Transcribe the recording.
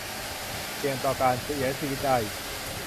เสี่ยงต่อการเสียชีวิตได้